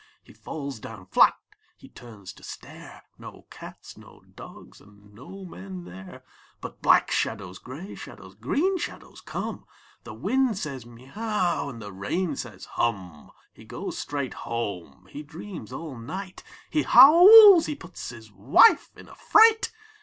He falls down flat. H)e turns to stare — No cats, no dogs, and no men there. But black shadows, grey shadows, green shadows come. The wind says, " Miau !" and the rain says, « Hum !" He goes straight home. He dreams all night. He howls. He puts his wife in a fright.